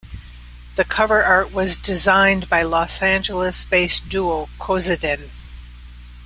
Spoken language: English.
The cover art was designed by Los Angeles-based duo kozyndan.